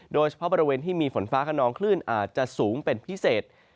โดยเฉพาะบริเวณที่มีฝนฟ้าขนองคลื่นอาจจะสูงเป็นพิเศษ